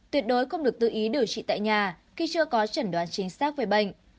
tuyệt đối không được tự ý điều trị tại nhà khi chưa có chẩn đoán chính xác về bệnh